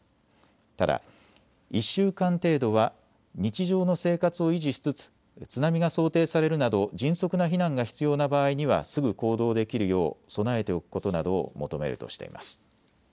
ただ、１週間程度は日常の生活を維持しつつ津波が想定されるなど迅速な避難が必要な場合にはすぐ行動できるよう備えておくことなどを求めるとしています。